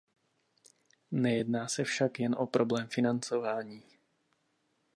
Nejedná se však jen o problém financování.